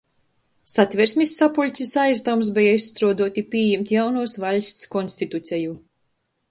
Satversmis sapuļcis aizdavums beja izstruoduot i pījimt jaunuos vaļsts konstituceju.